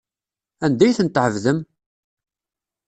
Anda ay ten-tɛebdem?